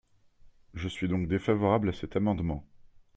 Je suis donc défavorable à cet amendement.